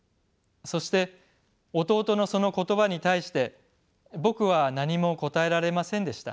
そして弟のその言葉に対して僕は何も答えられませんでした。